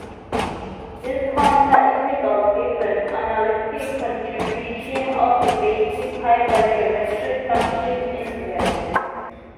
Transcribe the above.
This contour integral gives an analytic continuation of the basic hypergeometric function in "z".